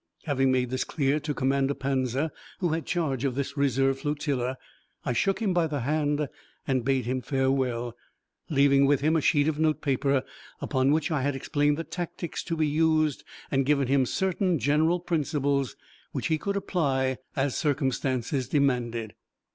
Having made this clear to Commander Panza, who had charge of this reserve flotilla, I shook him by the hand and bade him farewell, leaving with him a sheet of notepaper upon which I had explained the tactics to be used and given him certain general principles which he could apply as circumstances demanded.